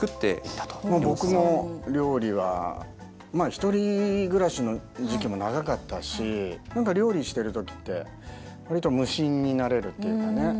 まあ僕も料理は１人暮らしの時期も長かったし何か料理してる時って割と無心になれるっていうかね。